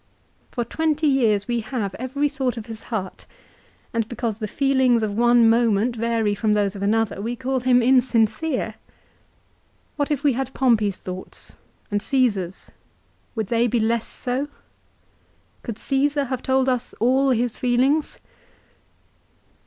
For twenty years we have every thought of his heart, and because the feelings of one moment vary from those of another, we call him insincere. What if we had Pompey's thoughts, and Caesar's, would they be less so ? Could Caesar have told us all his feelings?